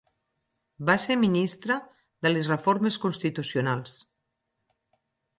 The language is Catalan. Va ser ministra de les Reformes Constitucionals.